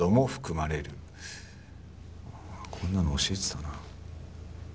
こんなの教えてたな。